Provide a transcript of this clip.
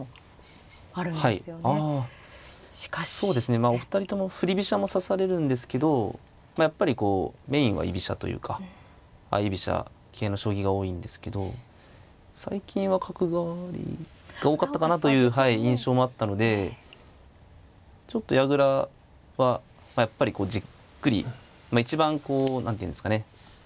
そうですねお二人とも振り飛車も指されるんですけどやっぱりこうメインは居飛車というか相居飛車系の将棋が多いんですけど最近は角換わりが多かったかなという印象もあったのでちょっと矢倉はやっぱりこうじっくり一番こう何ていうんですかね